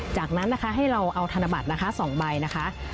จากนั้นนะคะให้เราเอาธนบัตรนะคะ๒ใบนะคะ